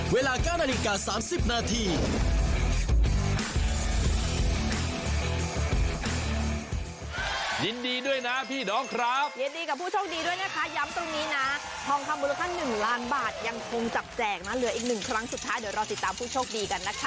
เวลา๙นาฬิกา๓๐นาที